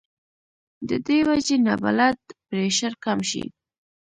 د دې وجې نه بلډ پرېشر کم شي